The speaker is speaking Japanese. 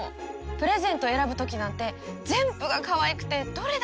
プレゼント選ぶときなんて全部がかわいくてどれだけ悩んだか。